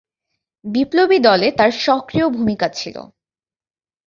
বিপ্লবী দলে তার সক্রিয় ভূমিকা ছিলো।